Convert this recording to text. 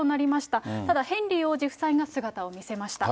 ただ、ヘンリー王子夫妻が姿を見せました。